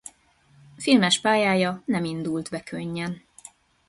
Filmes pályája nem indult be könnyen.